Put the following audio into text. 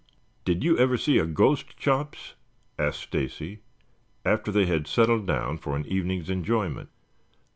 "Did you ever see a ghost, Chops?" asked Stacy after they had settled down for an evening's enjoyment.